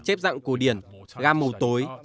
chép dạng cổ điển gam màu tối